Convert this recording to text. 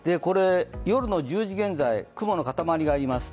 夜の１０時現在、雲のかたまりがあります。